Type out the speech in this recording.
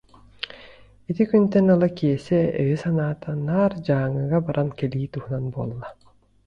Ити күнтэн ыла Киэсэ өйө-санаата наар Дьааҥыга баран кэлии туһунан буолла